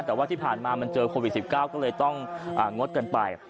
แต่ว่าที่ผ่านมามันเจอโควิด๑๙ก็เลยต้องงดกันไป